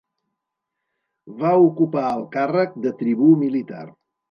Va ocupar el càrrec de tribú militar.